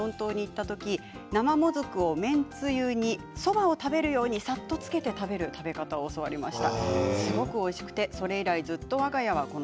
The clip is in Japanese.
３年前に鹿児島県の与論島に行ったときに生もずくを麺つゆにそばを食べるようにさっとつけて食べる食べ方を教わりました。